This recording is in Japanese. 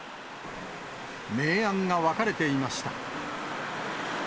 明暗が分かれていました。